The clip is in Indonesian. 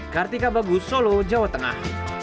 kartika bagus solo jawa tengah